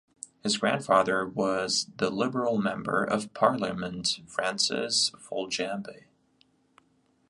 His grandfather was the Liberal Member of Parliament Francis Foljambe.